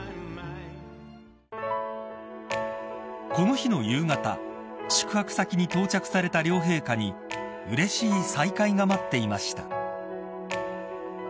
［この日の夕方宿泊先に到着された両陛下にうれしい再会が待っていました］